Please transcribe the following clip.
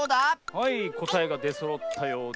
⁉はいこたえがでそろったようで。